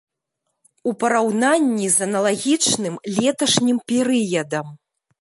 У параўнанні з аналагічным леташнім перыядам.